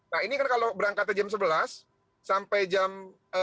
nah ini kan kalau berangkatnya jam sebelas sampai jam